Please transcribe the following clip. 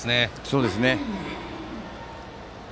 そうですね。